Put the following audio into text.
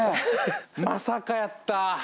まさかやった！